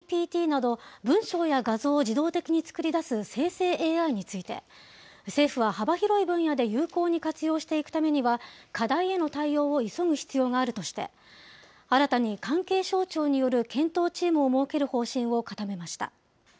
これからさらにどう変化していくチャットＧＰＴなど、文章や画像を自動的に作り出す生成ＡＩについて、政府は幅広い分野で有効に活用していくためには、課題への対応を急ぐ必要があるとして、新たに関係省庁による検討チームを設ける方針を固めました。